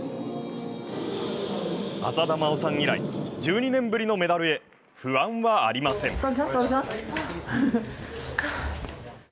浅田真央さん以来、１２年ぶりのメダルへ、不安はありません。